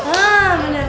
kebelet juga kan